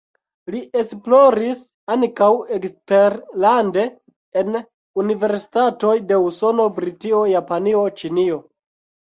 Li esploris ankaŭ eksterlande en universitatoj de Usono, Britio, Japanio, Ĉinio.